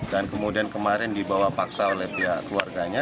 dan kemudian kemarin dibawa paksa oleh pihak keluarganya